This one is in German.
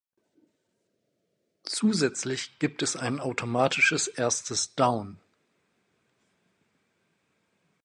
Zusätzlich gibt es ein automatisches erstes Down.